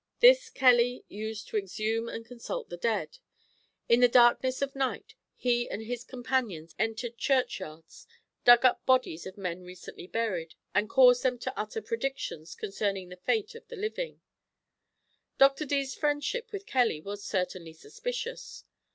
This Kelly used to exhume and consult the dead; in the darkness of night he and his companions entered churchyards, dug up the bodies of men recently buried, and caused them to utter predictions concerning the fate of the living. Dr. Dee's friendship with Kelly was certainly suspicious.